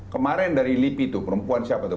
kemarin dari lipi tuh perempuan siapa tuh